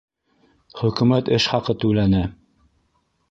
Хөкөмәт эш хаҡы түләне!